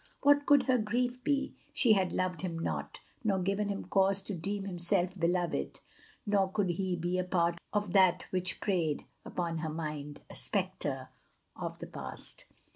What could her grief be? she had loved him not, Nor given him cause to deem himself beloved, Nor could he be a part of that which preyed Upon her mind a spectre of the past.